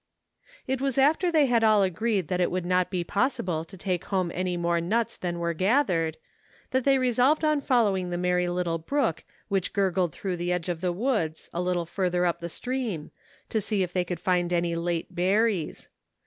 It was after they had all agreed that it would not be possible to take home any more nuts than were gathered, that they resolved on fol lowing the merry little brook which gurgled through the edge of the woods, a little further up the stream, to see if they could find any late berries.